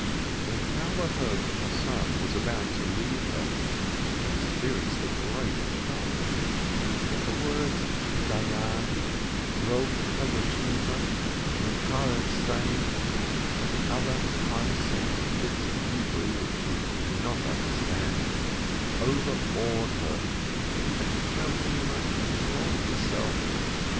When Taube heard that her son was about to leave her, she experienced a great shock, but the words, Dayan, Eosh Yeshiveh, mekarev sein, and other high sounding bits of Hebrew, which she did not understand, overawed her, and she felt she must control herself.